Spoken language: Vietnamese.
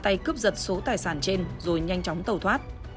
tây cướp giật số tài sản trên rồi nhanh chóng tàu thoát